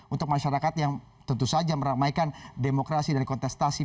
untuk masyarakat yang tentu saja meramaikan demokrasi dan kontestasi